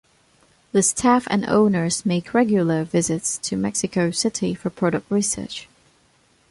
The staff and owners make regular visits to Mexico City for product research.